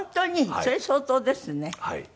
それ相当ですね。